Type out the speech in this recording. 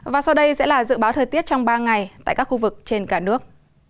và sau đây sẽ là dự báo thời tiết trong ba ngày tại các khu vực trên cả nước